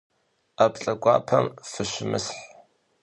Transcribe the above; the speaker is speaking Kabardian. Ӏэплӏэ гуапэм фыщымысхь.